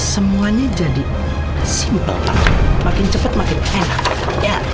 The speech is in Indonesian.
semuanya jadi simpel pak makin cepat makin enak ya